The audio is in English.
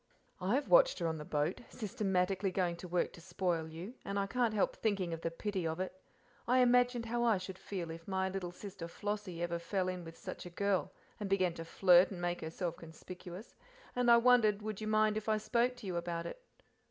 "I have watched her on the boat, systematically going to work to spoil you, and can't help thinking of the pity of it. I imagined how I should feel if my little sister Flossie ever fell in with such a girl, and began to flirt and make herself conspicuous, and I wondered would you mind if I spoke to you about it.